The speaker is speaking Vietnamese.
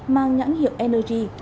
mang nhãn hiệu energy